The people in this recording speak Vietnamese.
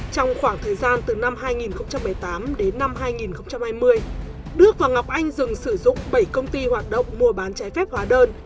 trong khoảng thời gian từ năm hai nghìn một mươi tám đến năm hai nghìn hai mươi đức và ngọc anh dừng sử dụng bảy công ty hoạt động mua bán trái phép hóa đơn